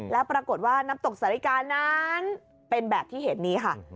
แล้วปรากฏว่าน้ำตกสาฬิกานั้นเป็นแบบที่เห็นนี้ค่ะ